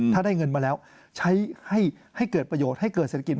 ถ้าได้เงินมาแล้วใช้ให้เกิดประโยชน์ให้เกิดเศรษฐกิจ